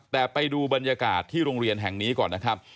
แต่ไปดูบรรยากาศที่โรงเรียนแห่งนี้ก่อนนะครับ